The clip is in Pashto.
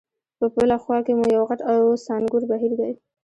په بله خوا کې مو یو غټ او څانګور بهیر دی.